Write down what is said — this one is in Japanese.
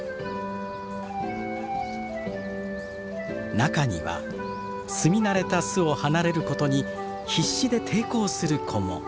中には住み慣れた巣を離れることに必死で抵抗する子も。